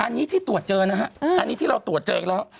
อันนี้ที่ตรวจเจอนะฮะอันนี้ที่เราตรวจเจอแล้ว